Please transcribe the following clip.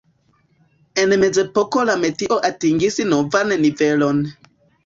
En Mezepoko la metio atingis novan nivelon.